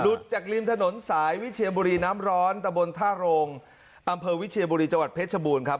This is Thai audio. จากริมถนนสายวิเชียบุรีน้ำร้อนตะบนท่าโรงอำเภอวิเชียบุรีจังหวัดเพชรบูรณ์ครับ